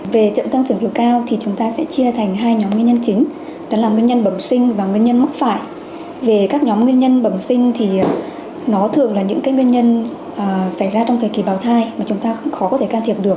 về các nhóm nguyên nhân bẩm sinh thì nó thường là những cái nguyên nhân xảy ra trong thời kỳ bào thai mà chúng ta khó có thể can thiệp được